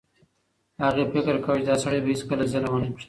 هغې فکر کاوه چې دا سړی به هیڅکله ظلم ونه کړي.